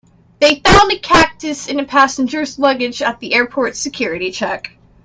They found a cactus in a passenger's luggage at the airport's security check.